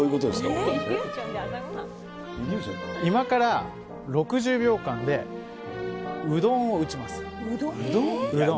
今から６０秒間で、うどんをうどん？